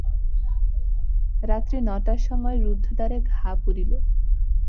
রাত্রি নটার সময় রুদ্ধ দ্বারে ঘা পড়িল।